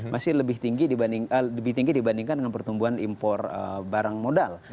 masih lebih tinggi dibandingkan dengan pertumbuhan impor barang modal